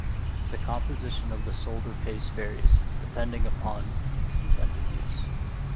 The composition of the solder paste varies, depending upon its intended use.